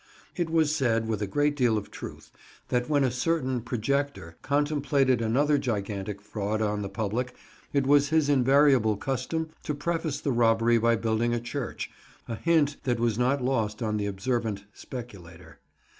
It was said, with a great deal of truth, that when a certain projector contemplated another gigantic fraud on the public it was his invariable custom to preface the robbery by building a church—a hint that was not lost on the observant speculator.